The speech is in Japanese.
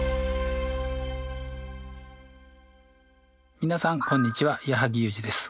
皆さんこんにちは矢作裕滋です。